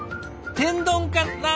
天丼かな？